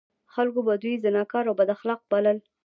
خلکو به دوی زناکار او بد اخلاق بلل.